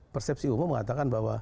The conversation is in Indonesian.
persepsi umum mengatakan bahwa